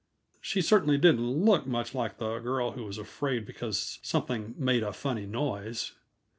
She certainly didn't look much like the girl who was afraid because something "made a funny noise."